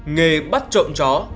nghề bắt trộm chó